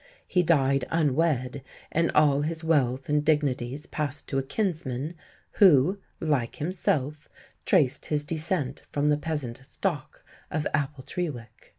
He died unwed, and all his wealth and dignities passed to a kinsman who, like himself, traced his descent from the peasant stock of Appletrewick.